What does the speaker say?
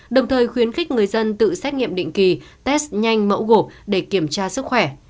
đồng thời khuyến khích người dân tự xét nghiệm định kỳ test nhanh mẫu gộp để kiểm tra sức khỏe